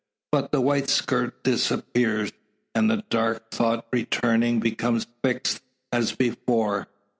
But the white skirt disappears, and the dark thought returning, becomes fixed as before.